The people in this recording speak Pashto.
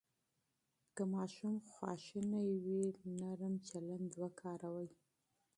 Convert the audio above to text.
که ماشوم غوسه وي، نرم چلند وکاروئ.